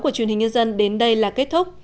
của truyền hình nhân dân đến đây là kết thúc